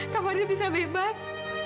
kak fadil bisa bebas